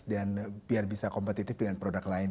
dan biar bisa kompetitif dengan produk lain